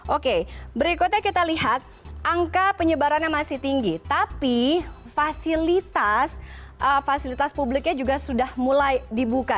oke berikutnya kita lihat angka penyebarannya masih tinggi tapi fasilitas fasilitas publiknya juga sudah mulai dibuka